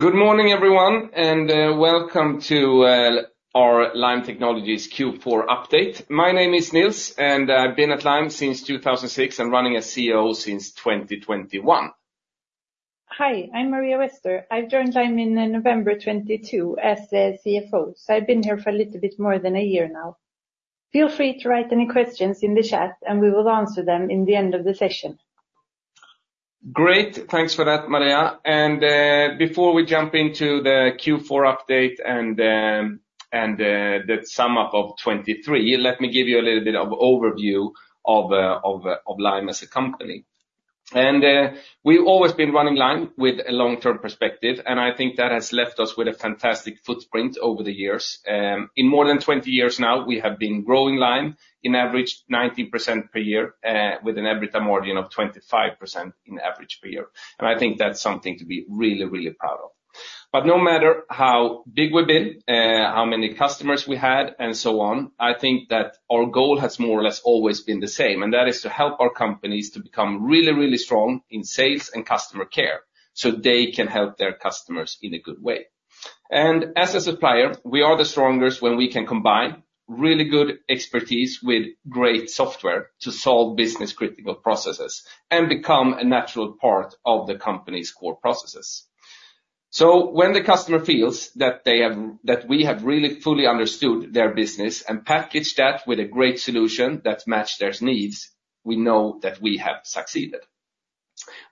Good morning, everyone, and welcome to our Lime Technologies Q4 update. My name is Nils, and I've been at Lime since 2006, and running as CEO since 2021. Hi, I'm Maria Wester. I've joined Lime in November 2022 as the CFO, so I've been here for a little bit more than a year now. Feel free to write any questions in the chat, and we will answer them in the end of the session. Great. Thanks for that, Maria. Before we jump into the Q4 update and the sum up of 2023, let me give you a little bit of overview of Lime as a company. We've always been running Lime with a long-term perspective, and I think that has left us with a fantastic footprint over the years. In more than 20 years now, we have been growing Lime on average 90% per year, with an EBITDA margin of 25% on average per year. I think that's something to be really, really proud of. But no matter how big we've been, how many customers we had, and so on, I think that our goal has more or less always been the same, and that is to help our companies to become really, really strong in sales and customer care so they can help their customers in a good way. As a supplier, we are the strongest when we can combine really good expertise with great software to solve business-critical processes and become a natural part of the company's core processes. So when the customer feels that we have really fully understood their business and packaged that with a great solution that match their needs, we know that we have succeeded.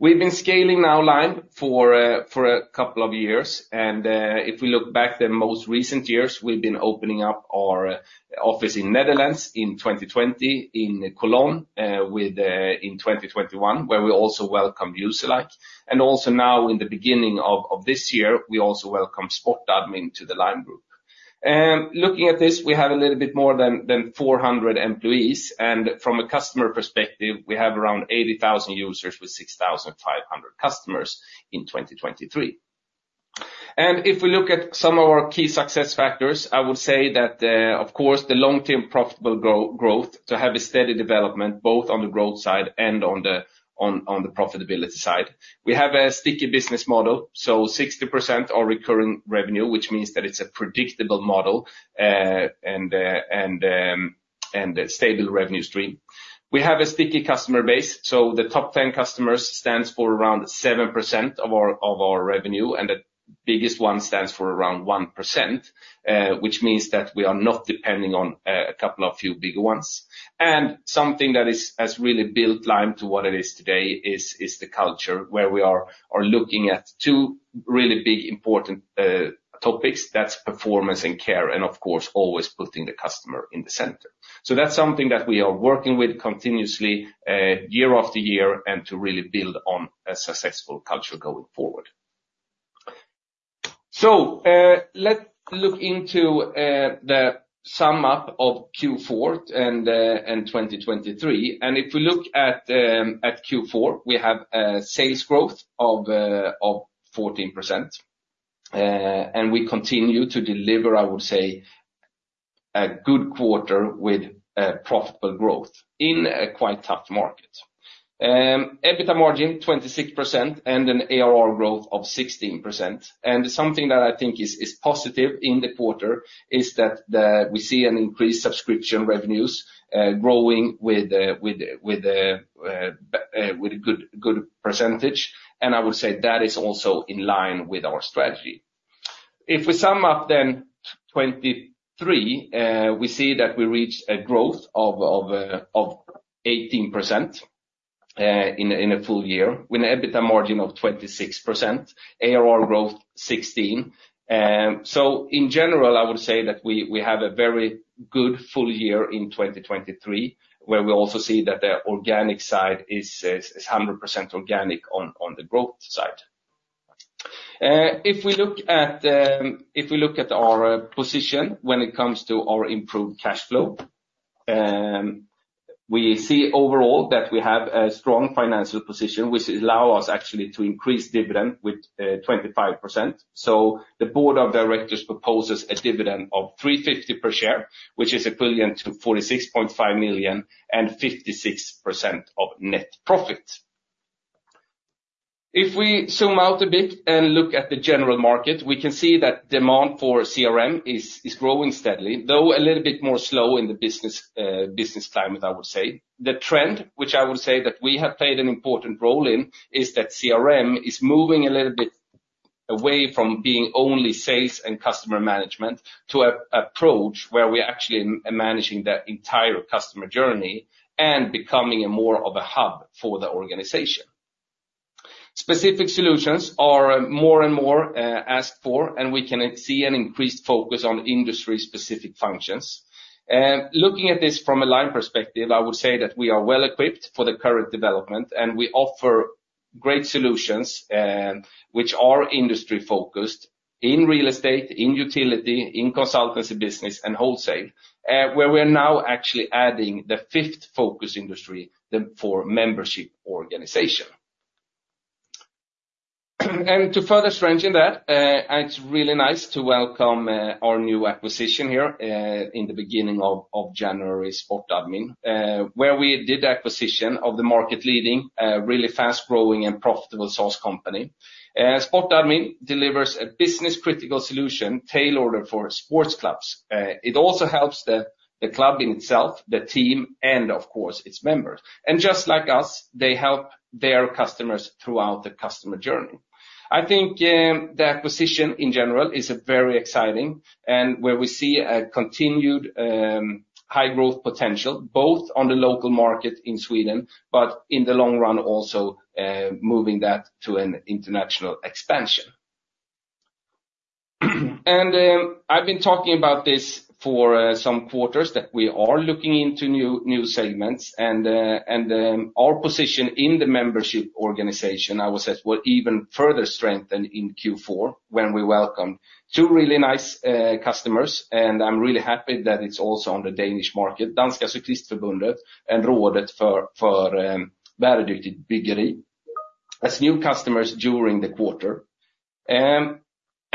We've been scaling now Lime for a couple of years, and if we look back the most recent years, we've been opening up our office in Netherlands in 2020, in Cologne with in 2021, where we also welcome Userlike and also now in the beginning of this year, we also welcome SportAdmin to the Lime group. Looking at this, we have a little bit more than 400 employees, and from a customer perspective, we have around 80,000 users with 6,500 customers in 2023. If we look at some of our key success factors, I would say that, of course, the long-term profitable growth, to have a steady development, both on the growth side and on the profitability side. We have a sticky business model, so 60% are recurring revenue, which means that it's a predictable model and a stable revenue stream. We have a sticky customer base, so the top 10 customers stands for around 7% of our revenue, and the biggest one stands for around 1%, which means that we are not depending on a couple of few bigger ones. Something that has really built Lime to what it is today is the culture, where we are looking at two really big important topics, that's performance and care, and of course, always putting the customer in the center. That's something that we are working with continuously year-after-year, and to really build on a successful culture going forward. Let's look into the sum up of Q4 and 2023 and if we look at Q4, we have a sales growth of 14%, and we continue to deliver, I would say, a good quarter with profitable growth in a quite tough market. EBITDA margin 26%, and an ARR growth of 16% and something that I think is positive in the quarter is that we see an increased subscription revenues growing with a good percentage, and I would say that is also in line with our strategy. If we sum up then 2023, we see that we reached a growth of 18% in a full year, with an EBITDA margin of 26%, ARR growth 16%. So in general, I would say that we have a very good full year in 2023, where we also see that the organic side is 100% organic on the growth side. If we look at our position when it comes to our improved cash flow, we see overall that we have a strong financial position, which allow us actually to increase dividend with 25%. So the board of directors proposes a dividend of 3.50 per share, which is equivalent to 46.5 million and 56% of net profit. If we zoom out a bit and look at the general market, we can see that demand for CRM is growing steadily, though a little bit more slow in the business business climate, I would say. The trend, which I would say that we have played an important role in, is that CRM is moving a little bit away from being only sales and customer management to an approach where we're actually managing the entire customer journey and becoming more of a hub for the organization. Specific solutions are more and more asked for, and we can see an increased focus on industry-specific functions. Looking at this from a Lime perspective, I would say that we are well-equipped for the current development, and we offer great solutions, which are industry-focused in real estate, in utility, in consultancy business, and wholesale, where we are now actually adding the fifth focus industry, for membership organizations. To further strengthen that, it's really nice to welcome our new acquisition here in the beginning of January, SportAdmin, where we did the acquisition of the market-leading, really fast-growing and profitable SaaS company. SportAdmin delivers a business-critical solution, tailored for sports clubs. It also helps the club in itself, the team, and of course, its members. Just like us, they help their customers throughout the customer journey. I think, the acquisition, in general, is very exciting, and where we see a continued, high growth potential, both on the local market in Sweden, but in the long run, also, moving that to an international expansion. I've been talking about this for, some quarters, that we are looking into new segments, and, our position in the membership organization, I would say, were even further strengthened in Q4, when we welcomed two really nice, customers, and I'm really happy that it's also on the Danish market, Dansk Cyklistforbund and Rådet for Bæredygtigt Byggeri, as new customers during the quarter.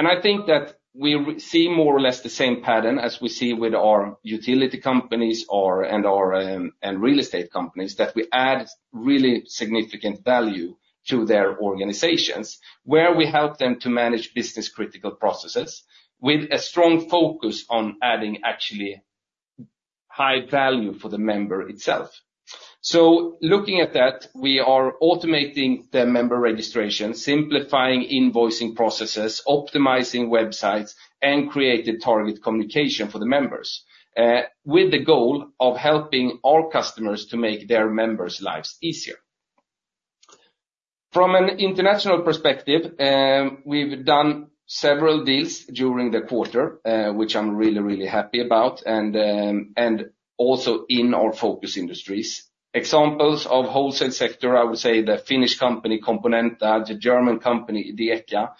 I think that we see more or less the same pattern as we see with our utility companies or and our and real estate companies, that we add really significant value to their organizations, where we help them to manage business-critical processes with a strong focus on adding actually high value for the member itself. So looking at that, we are automating the member registration, simplifying invoicing processes, optimizing websites, and creating target communication for the members, with the goal of helping our customers to make their members' lives easier. From an international perspective, we've done several deals during the quarter, which I'm really, really happy about, and also in our focus industries. Examples of wholesale sector, I would say the Finnish company, Componenta, the German company, Dieckja.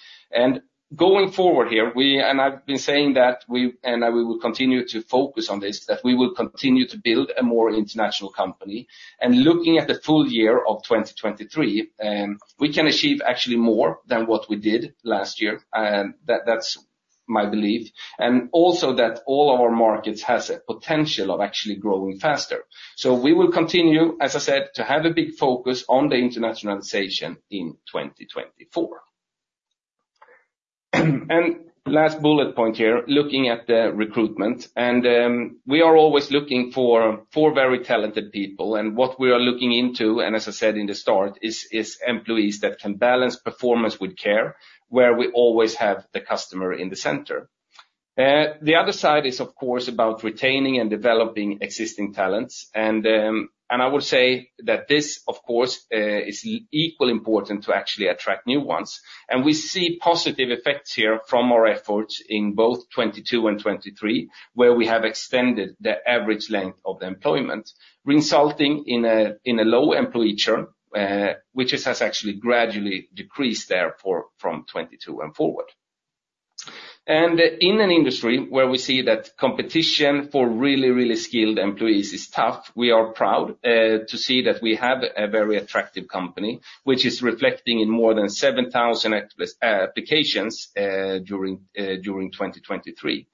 Going forward here, we, and I've been saying that we, and we will continue to focus on this, that we will continue to build a more international company. Looking at the full year of 2023, we can achieve actually more than what we did last year, and that's my belief. Also, that all of our markets has a potential of actually growing faster. So we will continue, as I said, to have a big focus on the internationalization in 2024. Last bullet point here, looking at the recruitment. We are always looking for very talented people. What we are looking into, and as I said in the start, is employees that can balance performance with care, where we always have the customer in the center. The other side is, of course, about retaining and developing existing talents and I will say that this, of course, is equally important to actually attract new ones. We see positive effects here from our efforts in both 2022 and 2023, where we have extended the average length of the employment, resulting in a low employee churn, which has actually gradually decreased therefore from 2022 and forward. In an industry where we see that competition for really, really skilled employees is tough, we are proud to see that we have a very attractive company, which is reflecting in more than 7,000 applications during 2023.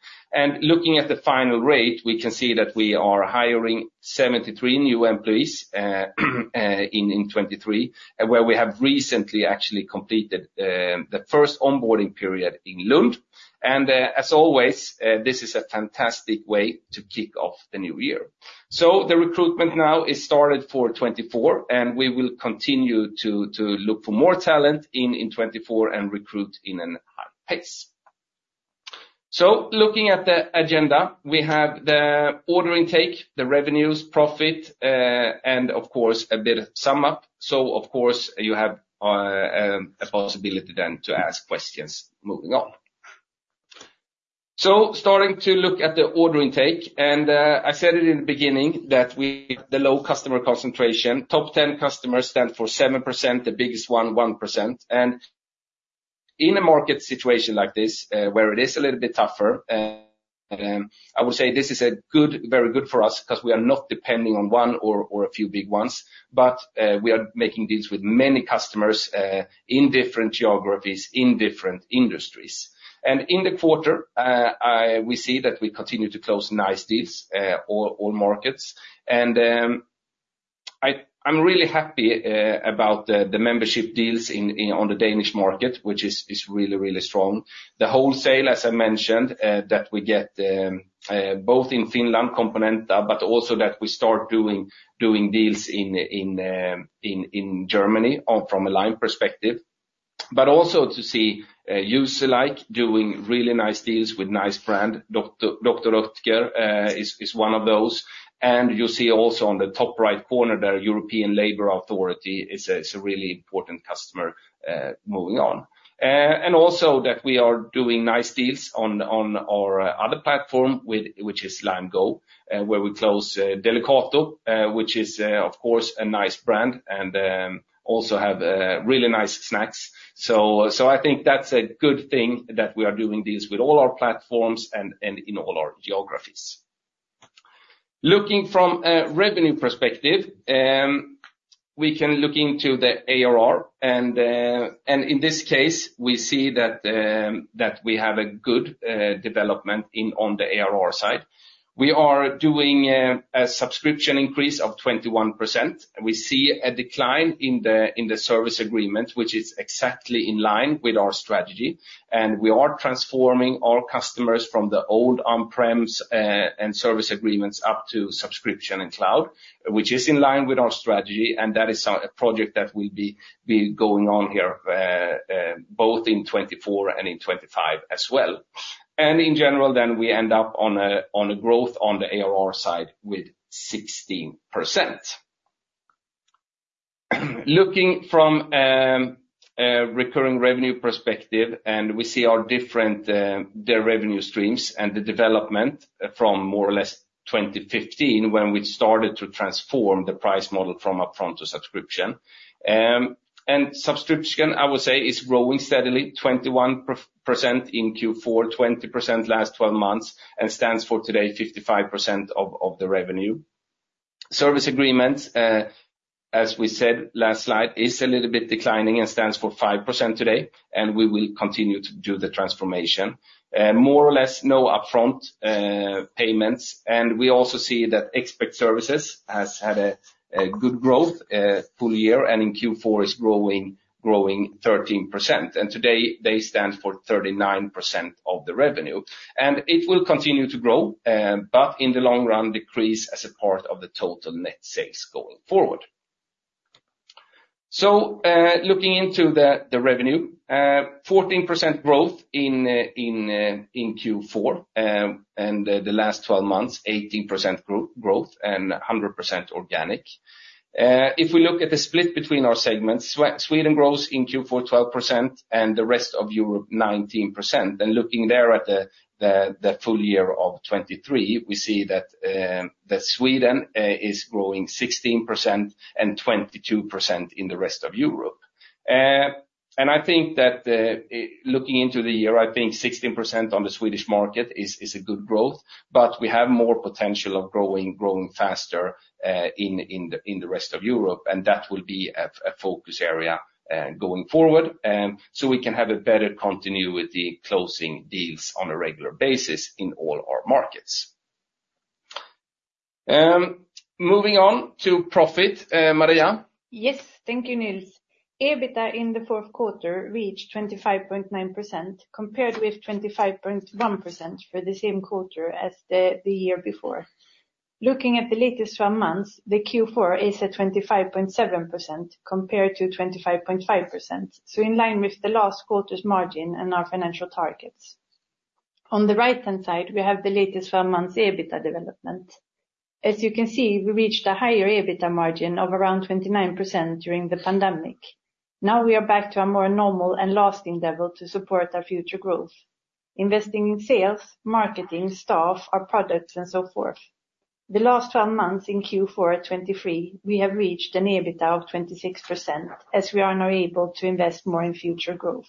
Looking at the final rate, we can see that we are hiring 73 new employees in 2023, where we have recently actually completed the first onboarding period in Lund. As always, this is a fantastic way to kick off the new year. The recruitment now is started for 2024, and we will continue to look for more talent in 2024 and recruit in a high pace. Looking at the agenda, we have the order intake, the revenues, profit, and of course, a bit of sum up. Of course, you have a possibility then to ask questions moving on. Starting to look at the order intake, I said it in the beginning that we, the low customer concentration, top 10 customers stand for 7%, the biggest one 1%. In a market situation like this, where it is a little bit tougher, I would say this is a good, very good for us because we are not depending on one or a few big ones, but we are making deals with many customers in different geographies, in different industries. In the quarter, we see that we continue to close nice deals all markets. I'm really happy about the membership deals on the Danish market, which is really, really strong. The wholesale, as I mentioned, that we get both in Finland, Componenta, but also that we start doing deals in Germany from a Lime perspective. But also to see Userlike doing really nice deals with nice brand. Dr. Oetker is one of those. You see also on the top right corner, the European Labor Authority is a really important customer, moving on. Also that we are doing nice deals on our other platform, which is Lime Go, where we close Delicato, which is, of course, a nice brand, and also have really nice snacks. So I think that's a good thing that we are doing deals with all our platforms and in all our geographies. Looking from a revenue perspective, we can look into the ARR, and in this case, we see that that we have a good development on the ARR side. We are doing a subscription increase of 21%, and we see a decline in the service agreement, which is exactly in line with our strategy. We are transforming our customers from the old on-prems and service agreements up to subscription and cloud, which is in line with our strategy, and that is a project that will be going on here both in 2024 and in 2025 as well. In general, then we end up on a growth on the ARR side with 16%. Looking from a recurring revenue perspective, and we see our different revenue streams and the development from more or less 2015, when we started to transform the price model from upfront to subscription. Subscription, I would say, is growing steadily, 21% in Q4, 20% last twelve months, and stands for today 55% of the revenue. Service agreements, as we said, last slide, is a little bit declining and stands for 5% today, and we will continue to do the transformation. More or less, no upfront payments, and we also see that expert services has had a good growth, full year, and in Q4 is growing 13%. Today, they stand for 39% of the revenue. It will continue to grow, but in the long run, decrease as a part of the total net sales going forward. So, looking into the revenue, 14% growth in Q4, and the last 12 months, 18% growth and 100% organic. If we look at the split between our segments, Sweden grows in Q4, 12%, and the rest of Europe, 19%. Then looking there at the full year of 2023, we see that Sweden is growing 16% and 22% in the rest of Europe. I think that looking into the year, I think 16% on the Swedish market is a good growth, but we have more potential of growing faster in the rest of Europe, and that will be a focus area going forward. We can have a better continuity, closing deals on a regular basis in all our markets. Moving on to profit, Maria? Yes, thank you, Nils. EBITDA in the fourth quarter reached 25.9%, compared with 25.1% for the same quarter as the year before. Looking at the latest 12 months, the Q4 is at 25.7%, compared to 25.5%, so in line with the last quarter's margin and our financial targets. On the right-hand side, we have the latest 12 months EBITDA development. As you can see, we reached a higher EBITDA margin of around 29% during the pandemic. Now, we are back to a more normal and lasting level to support our future growth, investing in sales, marketing, staff, our products, and so forth. The last 12 months in Q4 at 2023, we have reached an EBITDA of 26%, as we are now able to invest more in future growth.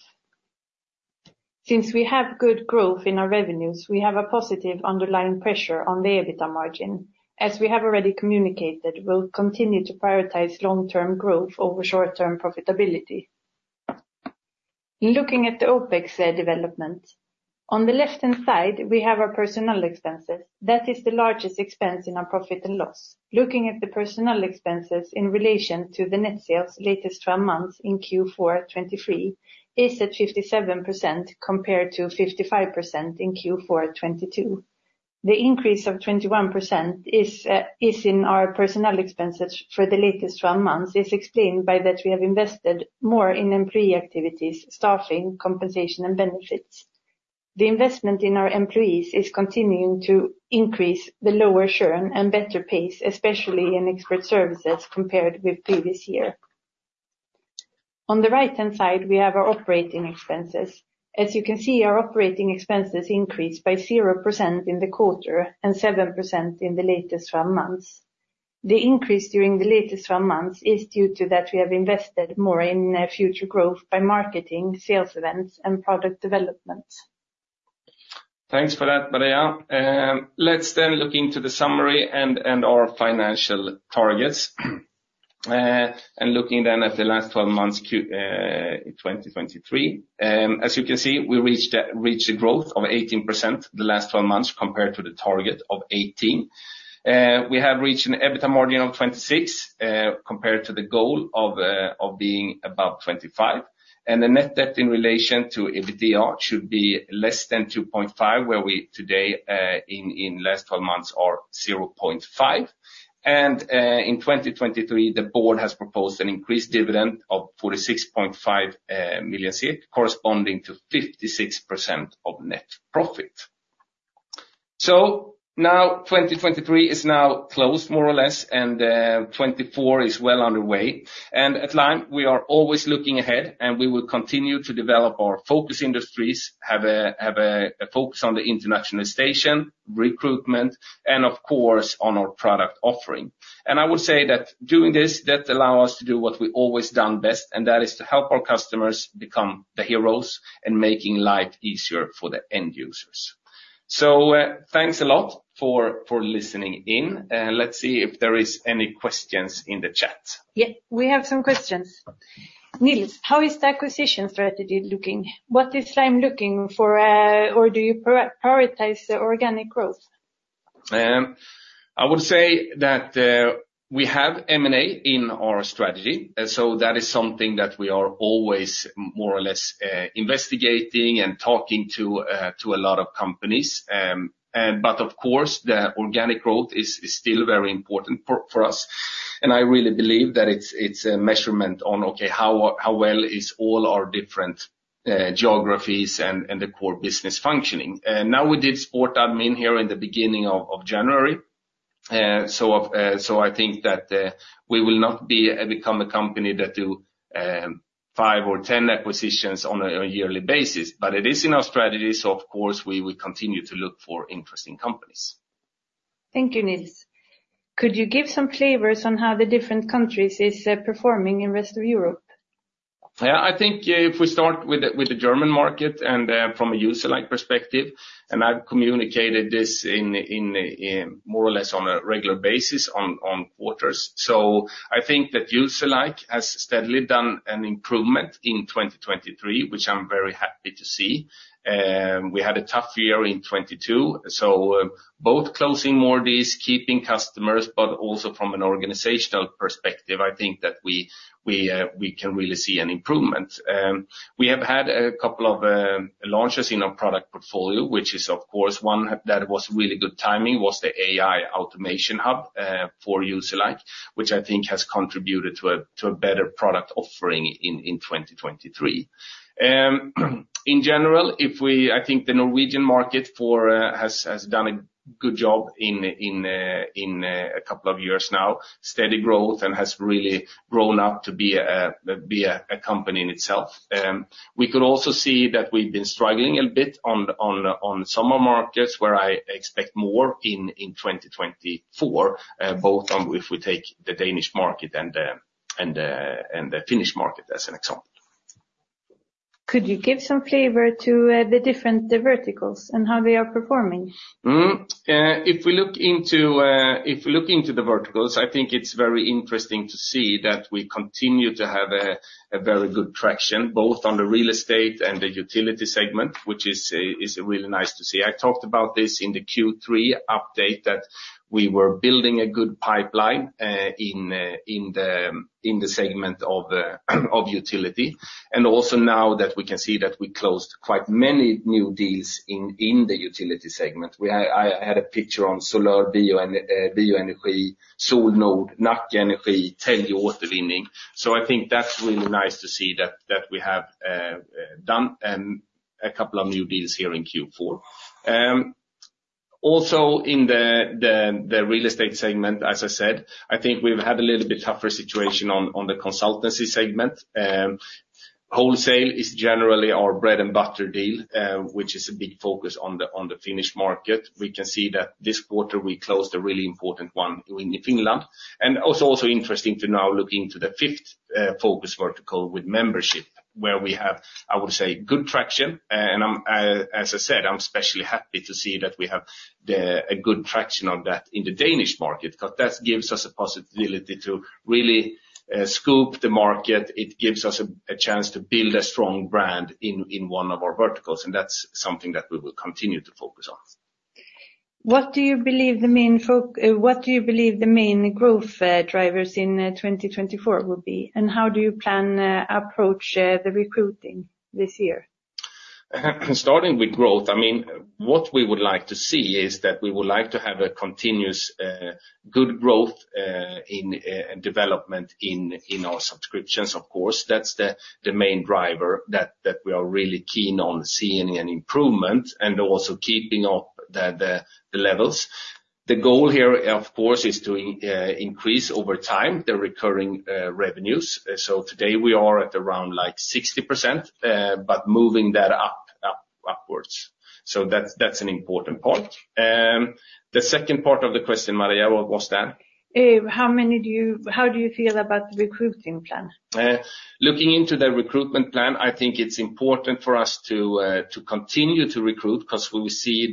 Since we have good growth in our revenues, we have a positive underlying pressure on the EBITDA margin. As we have already communicated, we'll continue to prioritize long-term growth over short-term profitability. Looking at the OpEx development, on the left-hand side, we have our personnel expenses. That is the largest expense in our profit and loss. Looking at the personnel expenses in relation to the net sales latest twelve months in Q4 2023, is at 57%, compared to 55% in Q4 2022. The increase of 21% is in our personnel expenses for the latest 12 months, is explained by that we have invested more in employee activities, staffing, compensation, and benefits. The investment in our employees is continuing to increase the lower churn and better pace, especially in expert services, compared with previous year. On the right-hand side, we have our operating expenses. As you can see, our operating expenses increased by 0% in the quarter and 7% in the latest 12 months. The increase during the latest 12 months is due to that we have invested more in future growth by marketing, sales events, and product development. Thanks for that, Maria. Let's then look into the summary and our financial targets. Looking then at the last 12 months in 2023, as you can see, we reached a growth of 18% the last 12 months, compared to the target of 18. We have reached an EBITDA margin of 26, compared to the goal of being above 25. The net debt in relation to EBITDA should be less than 2.5, where we today in last 12 months are 0.5. In 2023, the board has proposed an increased dividend of 46.5 million, corresponding to 56% of net profit. So now, 2023 is now closed, more or less, and 2024 is well underway. At Lime, we are always looking ahead, and we will continue to develop our focus industries, have a focus on the internationalization, recruitment, and of course, on our product offering. I would say that doing this, that allow us to do what we always done best, and that is to help our customers become the heroes in making life easier for the end users. So, thanks a lot for listening in, and let's see if there is any questions in the chat. Yeah, we have some questions. Nils, how is the acquisition strategy looking? What is Lime looking for, or do you prioritize the organic growth? I would say that we have M&A in our strategy, and so that is something that we are always more or less investigating and talking to a lot of companies but of course, the organic growth is still very important for us and I really believe that it's a measurement on, okay, how well is all our different geographies and the core business functioning. Now we did SportAdmin here in the beginning of January. So I think that we will not become a company that do five or 10 acquisitions on a yearly basis. But it is in our strategy, so of course, we will continue to look for interesting companies. Thank you, Nils. Could you give some flavors on how the different countries is performing in rest of Europe? Yeah, I think if we start with the German market and from a Userlike perspective, and I've communicated this in more or less on a regular basis on quarters. So I think that Userlike has steadily done an improvement in 2023, which I'm very happy to see. We had a tough year in 2022, so both closing more deals, keeping customers, but also from an organizational perspective, I think that we can really see an improvement. We have had a couple of launches in our product portfolio, which is of course, one that was really good timing was the AI Automation Hub for Userlike, which I think has contributed to a better product offering in 2023. In general, I think the Norwegian market has done a good job in a couple of years now. Steady growth and has really grown up to be a company in itself. We could also see that we've been struggling a bit on Nordic markets, where I expect more in 2024, both on if we take the Danish market and the Finnish market as an example. Could you give some flavor to the different verticals and how they are performing? If we look into the verticals, I think it's very interesting to see that we continue to have a very good traction, both on the real estate and the utility segment, which is really nice to see. I talked about this in the Q3 update, that we were building a good pipeline in the utility segment. Also now that we can see that we closed quite many new deals in the utility segment. We had a picture on Solarbio and Bioenergy, Solnod, Nacka Energi, Telge Water Limning. So I think that's really nice to see that we have done a couple of new deals here in Q4. Also in the real estate segment, as I said, I think we've had a little bit tougher situation on the consultancy segment. Wholesale is generally our bread and butter deal, which is a big focus on the Finnish market. We can see that this quarter we closed a really important one in Finland. Interesting to now look into the fifth focus vertical with membership, where we have, I would say, good traction. As I said, I'm especially happy to see that we have a good traction on that in the Danish market, because that gives us a possibility to really scope the market. It gives us a chance to build a strong brand in one of our verticals, and that's something that we will continue to focus on. What do you believe the main growth drivers in 2024 will be and how do you plan approach the recruiting this year? Starting with growth, I mean, what we would like to see is that we would like to have a continuous, good growth, in development in our subscriptions, of course. That's the main driver that we are really keen on seeing an improvement, and also keeping up the levels. The goal here, of course, is to increase over time the recurring revenues. So today, we are at around, like, 60%, but moving that upwards. So that's an important point. The second part of the question, Maria, what was that? How do you feel about the recruiting plan? Looking into the recruitment plan, I think it's important for us to to continue to recruit, 'cause we see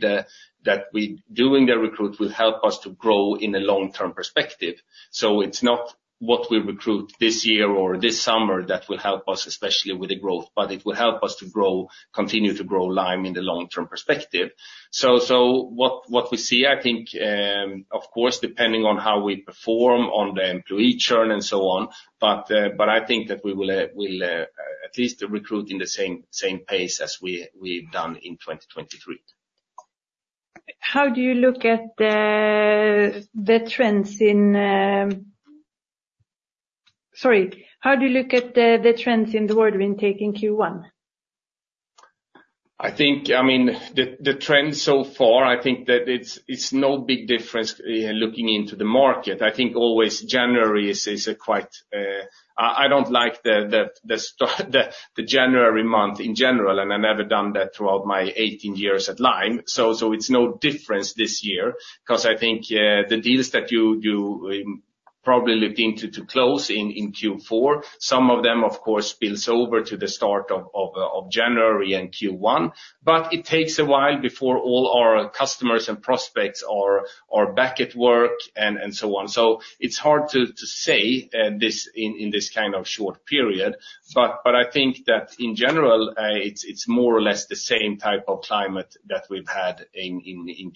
that we doing the recruit will help us to grow in a long-term perspective. So it's not what we recruit this year or this summer that will help us, especially with the growth, but it will help us to grow, continue to grow Lime in the long-term perspective. So what we see, I think, of course, depending on how we perform on the employee churn and so on, but I think that we will, we'll, at least recruit in the same pace as we've done in 2023. How do you look at the, the trends in... Sorry, how do you look at the, the trends in the order intake in Q1? I think, I mean, the trends so far, I think that it's no big difference looking into the market. I think always January is a quite... I don't like the start, the January month in general, and I've never done that throughout my 18 years at Lime. So it's no difference this year, 'cause I think the deals that you probably looking to close in Q4, some of them, of course, spills over to the start of January and Q1. But it takes a while before all our customers and prospects are back at work, and so on. So it's hard to say this in this kind of short period, but I think that in general, it's more or less the same type of climate that we've had in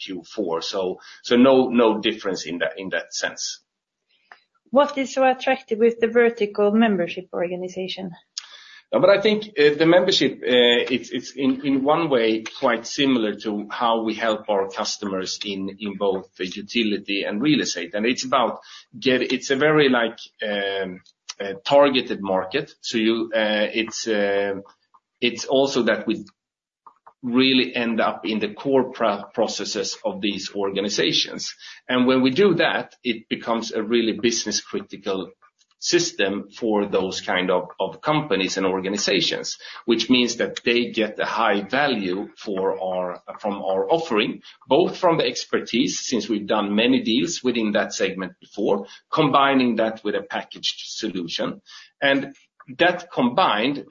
Q4. So no difference in that sense. What is so attractive with the vertical membership organization? But I think, the membership, it's in one way, quite similar to how we help our customers in both the utility and real estate and it's about it's a very, like, targeted market. So it's also that we really end up in the core processes of these organizations. When we do that, it becomes a really business-critical system for those kind of companies and organizations, which means that they get a high value from our offering, both from the expertise, since we've done many deals within that segment before, combining that with a packaged solution. That combined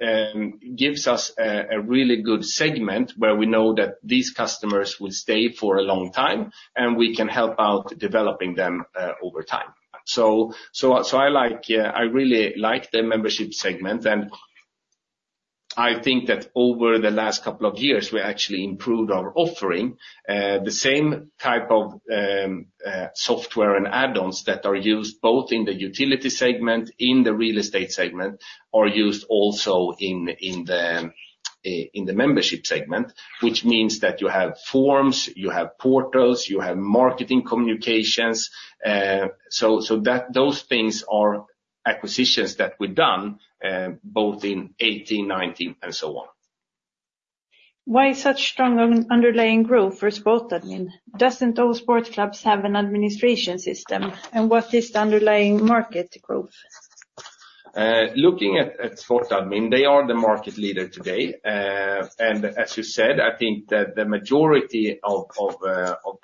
gives us a really good segment where we know that these customers will stay for a long time, and we can help out developing them over time. So I like, I really like the membership segment, and I think that over the last couple of years, we actually improved our offering. The same type of software and add-ons that are used both in the utility segment, in the real estate segment, are used also in the membership segment, which means that you have forms, you have portals, you have marketing communications. So those things are acquisitions that we've done, both in 2018, 2019, and so on. Why such strong underlying growth for SportAdmin? Doesn't all sports clubs have an administration system, and what is the underlying market growth? Looking at SportAdmin, they are the market leader today. As you said, I think that the majority of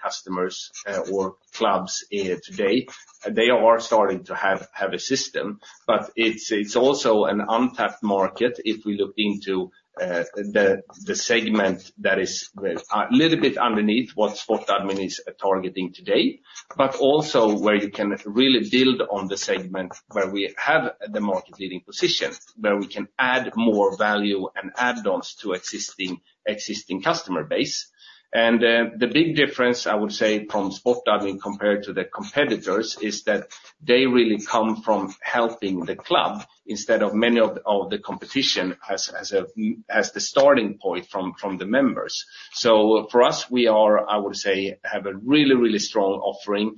customers or clubs today, they are starting to have a system. But it's also an untapped market if we look into the segment that is, well, a little bit underneath what SportAdmin is targeting today. But also where you can really build on the segment where we have the market-leading position, where we can add more value and add-ons to existing customer base and the big difference, I would say, from SportAdmin compared to the competitors, is that they really come from helping the club, instead of many of the competition as a starting point from the members. So for us, we are, I would say, have a really, really strong offering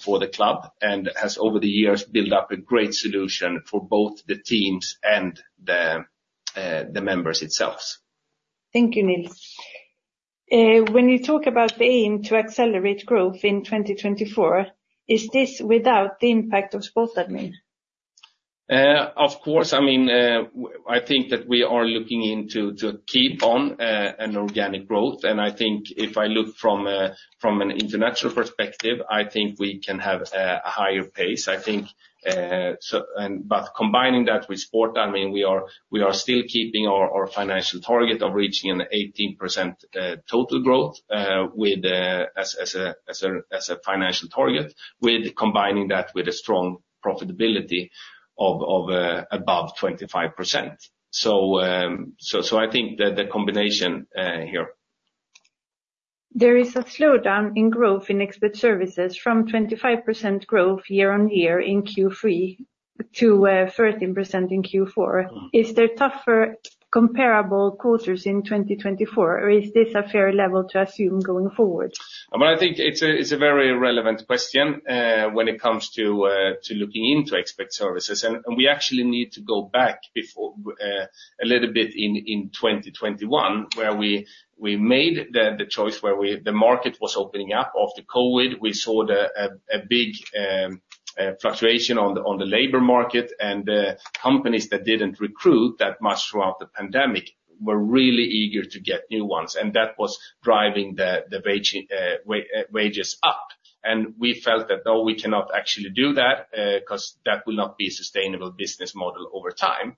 for the club, and has over the years built up a great solution for both the teams and the members itself. Thank you, Nils. When you talk about the aim to accelerate growth in 2024, is this without the impact of SportAdmin? Of course, I mean, I think that we are looking into to keep on an organic growth. I think if I look from an international perspective, I think we can have a higher pace. I think, combining that with SportAdmin, we are still keeping our financial target of reaching an 18% total growth, with as a financial target, with combining that with a strong profitability of above 25%. So, I think that the combination here. There is a slowdown in growth in expert services from 25% growth year-on-year in Q3 to 13% in Q4. Is there tougher comparable quarters in 2024, or is this a fair level to assume going forward? I mean, I think it's a very relevant question when it comes to looking into expert services and we actually need to go back before a little bit in 2021, where we made the choice where we, the market was opening up after COVID. We saw a big fluctuation on the labor market, and companies that didn't recruit that much throughout the pandemic were really eager to get new ones, and that was driving the wages up. We felt that, though we cannot actually do that, 'cause that will not be a sustainable business model over time.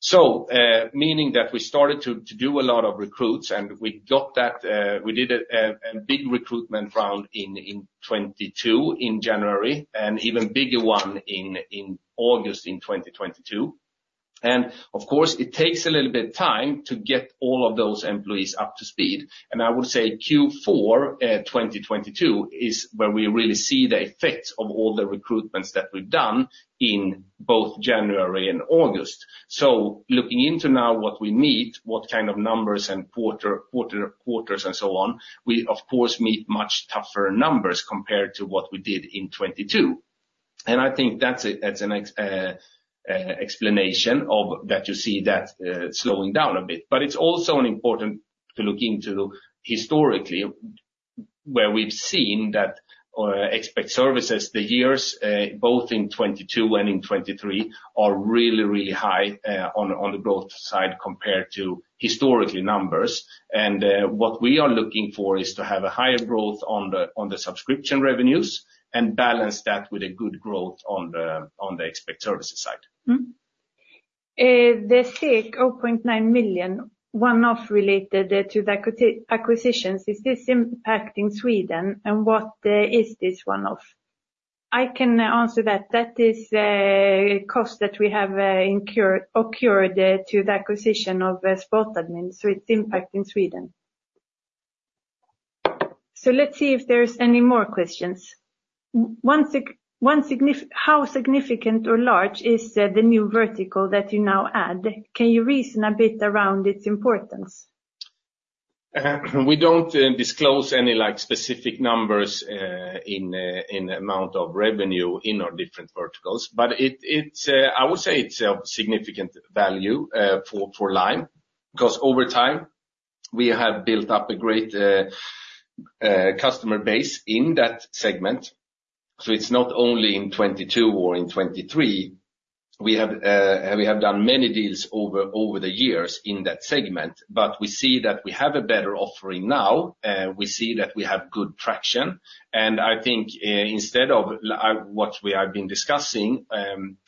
So, meaning that we started to do a lot of recruits, and we got that. We did a big recruitment round in 2022, in January, and even bigger one in August in 2022. Of course, it takes a little bit of time to get all of those employees up to speed and I would say Q4 2022 is where we really see the effects of all the recruitments that we've done in both January and August. So looking into now what we need, what kind of numbers and quarters, and so on, we of course meet much tougher numbers compared to what we did in 2022. I think that's an explanation of that you see that slowing down a bit. But it's also an important to look into historically, where we've seen that, expert services, the years, both in 2022 and in 2023, are really, really high, on the growth side compared to historically numbers. What we are looking for is to have a higher growth on the, on the subscription revenues and balance that with a good growth on the, on the expert services side. The 0.9 million, one-off related to the acquisitions. Is this impacting Sweden and what is this one-off? I can answer that. That is a cost that we have incurred to the acquisition of SportAdmin, so it's impacting Sweden. So let's see if there's any more questions. How significant or large is the new vertical that you now add? Can you reason a bit around its importance? We don't disclose any, like, specific numbers in amount of revenue in our different verticals. But I would say it's a significant value for Lime 'cause over time, we have built up a great customer base in that segment, so it's not only in 2022 or in 2023. We have done many deals over the years in that segment, but we see that we have a better offering now, we see that we have good traction. I think, instead of what we have been discussing,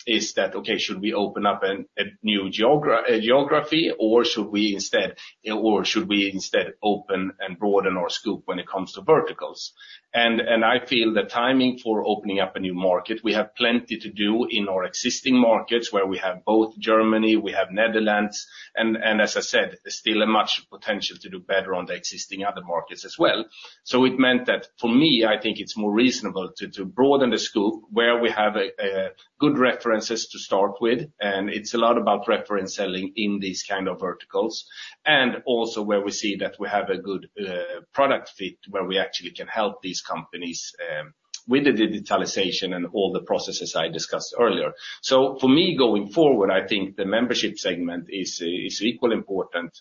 is that, okay, should we open up a new geography, or should we instead... or should we instead open and broaden our scope when it comes to verticals? I feel the timing for opening up a new market, we have plenty to do in our existing markets, where we have both Germany, we have Netherlands, and as I said, there's still a much potential to do better on the existing other markets as well. So it meant that, for me, I think it's more reasonable to broaden the scope where we have a good references to start with, and it's a lot about reference selling in these kind of verticals, and also where we see that we have a good product fit, where we actually can help these companies with the digitalization and all the processes I discussed earlier. For me, going forward, I think the membership segment is equally important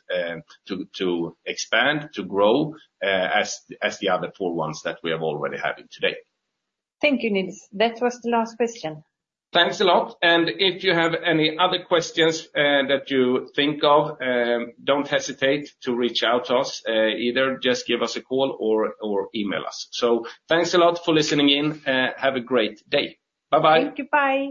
to expand, to grow, as the other four ones that we have already having today. Thank you, Nils. That was the last question. Thanks a lot. If you have any other questions that you think of, don't hesitate to reach out to us. Either just give us a call or email us. So thanks a lot for listening in. Have a great day. Bye-bye. Thank you. Bye.